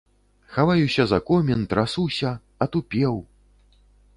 Хаваюся за комін, трасуся, атупеў.